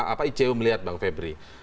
apa icw melihat bang febri